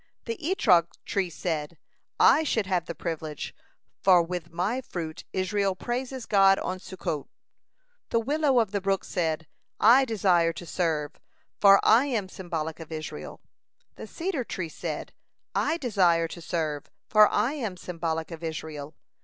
The Etrog tree said: "I should have the privilege, for with my fruit Israel praises God on Sukkot." The willow of the brook said: "I desire to serve, for I am symbolic of Israel." The cedar tree said: "I desire to serve, for I am symbolic of Israel."